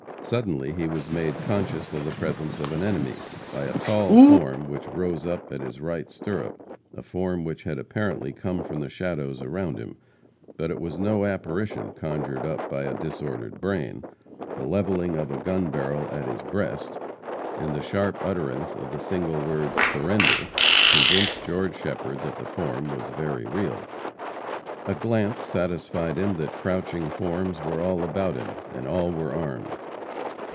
Suddenly he was made conscious of the presence of an enemy, by a tall form which rose up at his right stirrup a form which had apparently come from the shadows around him. But it was no apparition conjured up by a disordered brain. The leveling of a gun barrel at his breast, and the sharp utterance of the single word, "Surrender!" convinced George Shepherd that the form was very real. A glance satisfied him that crouching forms were all about him, and all were armed.